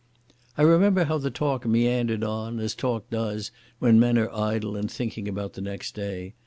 I remember how the talk meandered on as talk does when men are idle and thinking about the next day.